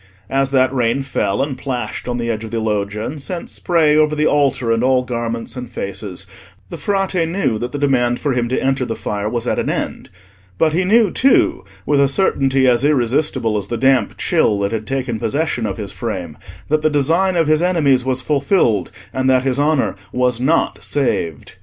As that rain fell, and plashed on the edge of the Loggia, and sent spray over the altar and all garments and faces, the Frate knew that the demand for him to enter the fire was at an end. But he knew too, with a certainty as irresistible as the damp chill that had taken possession of his frame, that the design of his enemies was fulfilled, and that his honour was not saved.